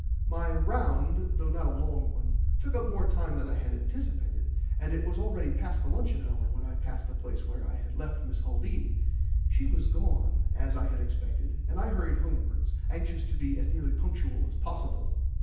My "round," though not a long one, took up more time than I had anticipated, and it was already past the luncheon hour when I passed the place where I had left Miss Haldean. She was gone, as I had expected, and I hurried homewards, anxious to be as nearly punctual as possible.